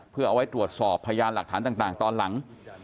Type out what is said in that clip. เพื่อเอาไว้ตรวจสอบพยานหลักฐานต่างตอนหลัง